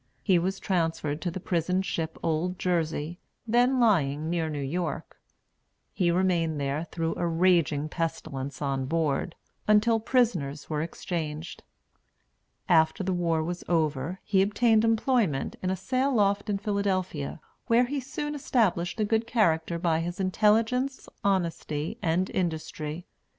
He was transferred to the prison ship Old Jersey, then lying near New York. He remained there, through a raging pestilence on board, until prisoners were exchanged. After the war was over, he obtained employment in a sail loft in Philadelphia, where he soon established a good character by his intelligence, honesty, and industry.